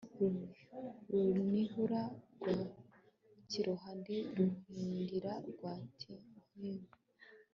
Runihura rwa Kiroha ndi Ruhigira rwa Ntindo